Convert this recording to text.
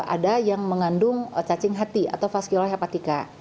ada yang mengandung cacing hati atau fasciola hepatica